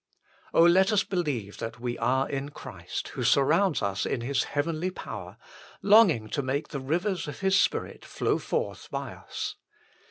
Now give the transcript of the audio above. let us believe that we are in Christ, who surrounds us in His heavenly power, longing to make the rivers of His Spirit flow forth by us